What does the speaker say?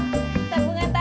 sampai jumpa pak